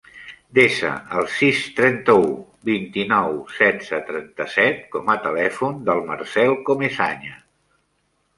Desa el sis, trenta-u, vint-i-nou, setze, trenta-set com a telèfon del Marcel Comesaña.